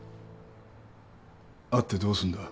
会ってどうすんだ？